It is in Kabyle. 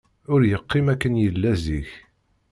Ur yeqqim akken yella zik.